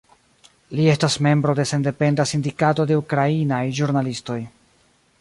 Li estas membro de sendependa sindikato de ukrainaj ĵurnalistoj.